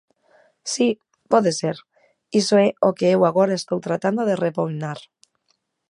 Si, pode ser, iso é o que eu agora estou tratando de rebobinar.